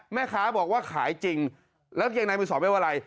แม่ค้าบอกว่าขายจริงแล้วเกงในมือสองไม่ว่าอะไร